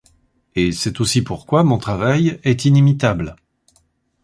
Et c'est aussi pourquoi mon travail est inimitable.